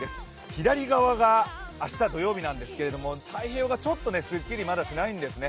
左側が明日、土曜日なんですけれども太平洋側はちょっとまだすっきりしないんですね。